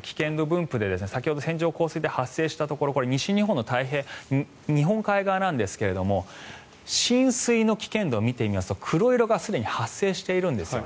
危険度分布で先ほど線状降水帯が発生したところこれ、西日本の日本海側ですが浸水の危険度を見てみますと黒色がすでに発生しているんですね。